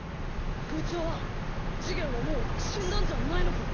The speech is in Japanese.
器はジゲンはもう死んだんじゃないのか！？